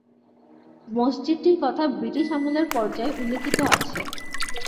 মসজিদটির কথা ব্রিটিশ আমলের পর্চায় উল্লেখিত আছে।